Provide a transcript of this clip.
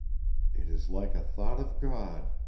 "It is like a thought of God!"